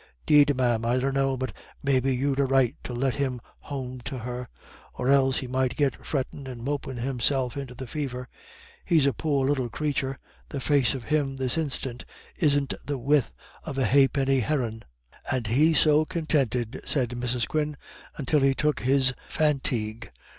'Deed, ma'am, I dunno, but maybe you'd a right to let him home to her, or else he might get frettin' and mopin' himself into the fever. He's a poor little crathur; the face of him this instant isn't the width of a ha'penny herrin'." "And he so continted," said Mrs. Quin, "until he took his fantigue.